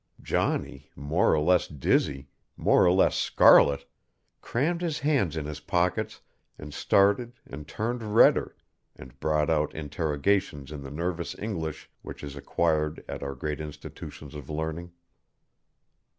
Johnny, more or less dizzy, more or less scarlet, crammed his hands in his pockets and started and turned redder, and brought out interrogations in the nervous English which is acquired at our great institutions of learning.